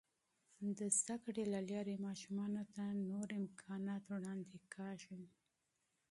د زده کړې له لارې، ماشومانو ته نور امکانات وړاندې کیږي.